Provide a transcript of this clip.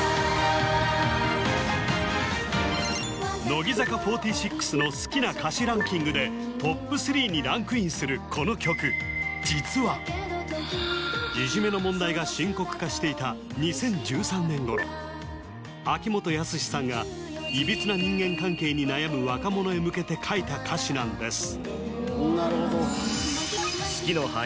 乃木坂４６の好きな歌詞ランキングでトップ３にランクインするこの曲いじめの問題が深刻化していた２０１３年頃秋元康さんが向けて書いた歌詞なんです